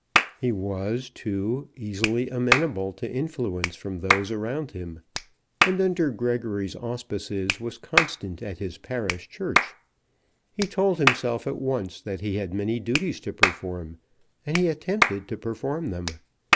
He was, too, easily amenable to influence from those around him; and under Gregory's auspices, was constant at his parish church. He told himself at once that he had many duties to perform, and he attempted to perform them.